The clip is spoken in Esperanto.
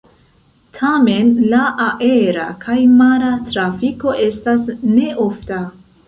Tamen la aera kaj mara trafiko estas ne ofta.